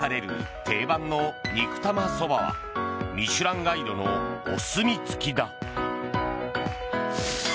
地元で愛される定番の肉玉そばは「ミシュランガイド」のお墨付きだ。